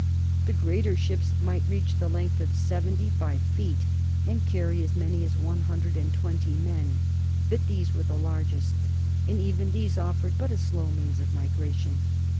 The greater ships might reach the length of seventy five feet and carry as many as one hundred and twenty men, but these were the largest, and even these offered but a slow means of migration.